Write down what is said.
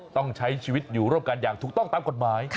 ต้องใช้ชีวิตอยู่ร่วมกันอย่างถูกต้องตามกฎหมาย